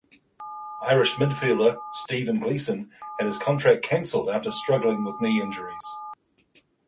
Irish midfielder Stephen Gleeson had his contract cancelled after struggling with knee injuries.